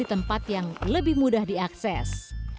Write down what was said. di tempat yang lebih mudah diakses